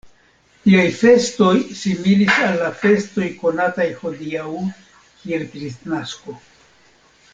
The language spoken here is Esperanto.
Tiaj festoj similis al la festoj konataj hodiaŭ kiel Kristnasko.